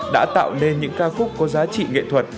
đã tạo nên những ca khúc có giá trị nghệ thuật